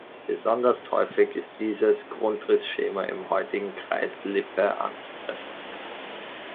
Besonders häufig ist dieses Grundriss-Schema im heutigen Kreis Lippe anzutreffen.